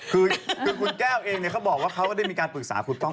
คือคุณแก้วเองเขาบอกว่าเขาก็ได้มีการปรึกษาคุณป้อง